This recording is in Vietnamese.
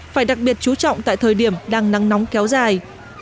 phải đặc biệt chú trọng tại thời điểm đang nắng nóng kéo dài